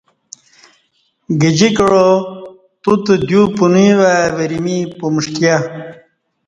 گجیکعا توتہ دیو پنوی وای وری می پمݜٹیہ